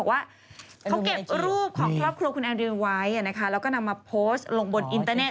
ว่าเขาเก็บรูปของครอบครัวคุณแอนริวไว้แล้วก็นำมาโพสต์ลงบนอินเตอร์เน็